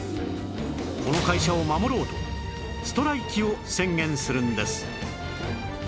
この会社を守ろうとストライキを宣言するんです